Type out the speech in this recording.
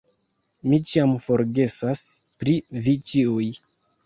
Mi ĉiam forgesas pri vi ĉiuj